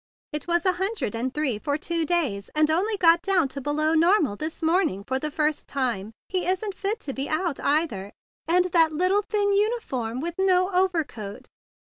It was a hundred and three for two days, and only got down to below nor¬ mal this morning for the first time. He isn't fit to be out, either, and that little thin uniform with no overcoat!"